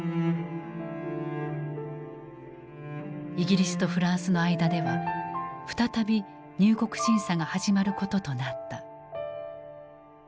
イギリスとフランスの間では再び入国審査が始まることとなった。